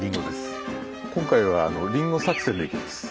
今回は「リンゴ作戦」でいきます。